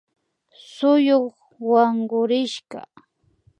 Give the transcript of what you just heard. Suyuk wankurishka